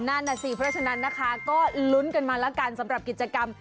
นั่นน่ะสิเพราะฉะนั้นนะคะก็ลุ้นกันมาแล้วกันสำหรับกิจกรรม